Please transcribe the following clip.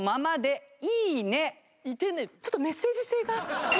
ちょっとメッセージ性が。